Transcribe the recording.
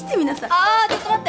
ああっちょっと待って！